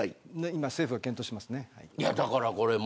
今、政府が検討していますね。